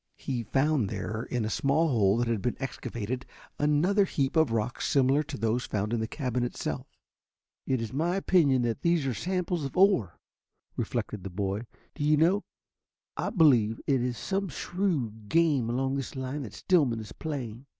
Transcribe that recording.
He found there, in a small hole that had been excavated, another heap of rocks similar to those found in the cabin itself. "It is my opinion that these are samples of ore," reflected the boy. "Do you know, I believe it is some shrewd game along this line that Stillman is playing."